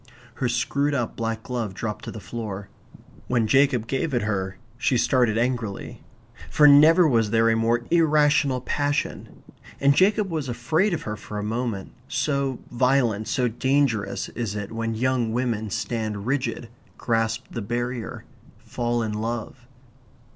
Her screwed up black glove dropped to the floor. When Jacob gave it her, she started angrily. For never was there a more irrational passion. And Jacob was afraid of her for a moment so violent, so dangerous is it when young women stand rigid; grasp the barrier; fall in love.